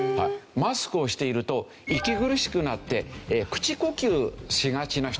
マスクをしていると息苦しくなって口呼吸しがちな人がいるんですね。